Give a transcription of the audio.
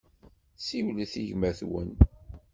Siwlet i gma-twen.